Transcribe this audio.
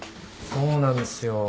そうなんですよ。